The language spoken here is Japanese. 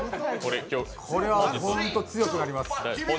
これは本当に、強くなります。